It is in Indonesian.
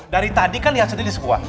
dari tadi kan lihat sendiri sebuah